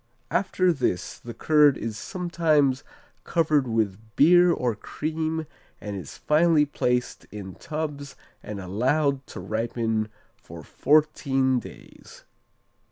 After this the curd is sometimes covered with beer or cream and is finally placed in tubs and allowed to ripen for fourteen days.